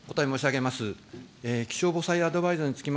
お答え申し上げます。